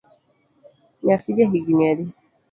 Nyathi ja higni adi?